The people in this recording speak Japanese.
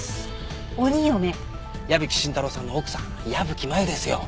矢吹伸太郎さんの奥さん矢吹真由ですよ。